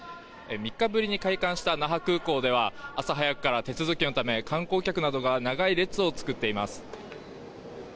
３日ぶりに開館した那覇空港では朝早くから手続きのため観光客などが長い列を作っています。